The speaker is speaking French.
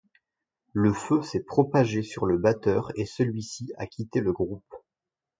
Le feu s'est propagé sur le batteur et celui-ci a quitté le groupe.